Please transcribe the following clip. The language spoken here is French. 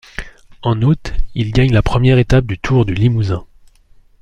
En août, il gagne la première étape du Tour du Limousin.